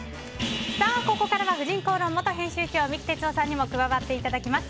ここからは「婦人公論」元編集長三木哲男さんにも加わっていただきます。